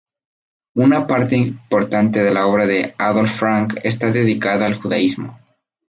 Una parte importante de la obra de Adolphe Franck está dedicada al judaísmo.